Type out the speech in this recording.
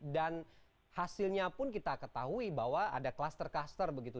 dan hasilnya pun kita ketahui bahwa ada cluster cluster begitu